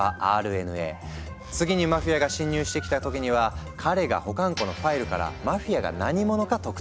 次にマフィアが侵入してきた時には彼が保管庫のファイルからマフィアが何者か特定。